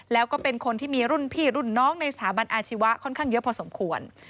แล้วก็เป็นคนที่มีรุ่นพี่รุ่นน้องในสถาบันอาชีวะค่อนข้างเยอะพอสมควร